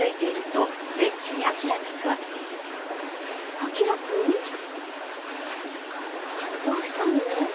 彬くん？どうしたの？